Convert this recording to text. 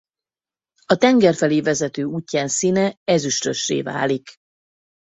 A tenger felé vezető útján színe ezüstössé válik.